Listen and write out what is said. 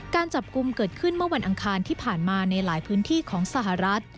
การจับกลุ่มเกิดขึ้นเมื่อวันอังคารที่ผ่านมาในหลายพื้นที่ของสหรัฐ